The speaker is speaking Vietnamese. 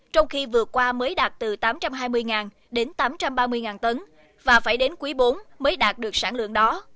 trong khi vừa qua mới đạt từ tám trăm hai mươi đến tám trăm ba mươi tấn và phải đến quý bốn mới đạt được sản lượng đó